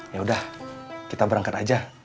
yaudah kita berangkat aja